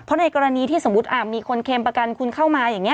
เพราะในกรณีที่สมมุติมีคนเค็มประกันคุณเข้ามาอย่างนี้